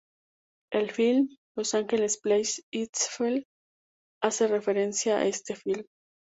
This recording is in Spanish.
El film "Los Angeles Plays Itself" hace referencia a este film.